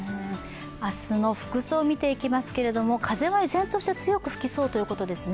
明日の服装見ていきますけども、風は依然として強く吹きそうということですね。